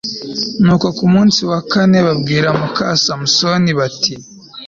nuko ku munsi wa kane babwira muka samusoni, bati